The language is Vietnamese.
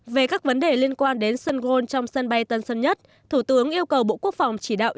về các vấn đề liên quan đến sân gôn trong sân bay tân sơn nhất thủ tướng yêu cầu bộ quốc phòng chỉ đạo